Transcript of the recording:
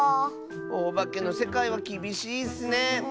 おばけのせかいはきびしいッスね。